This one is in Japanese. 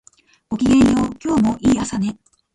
ごきげんよう、今日もいい朝ね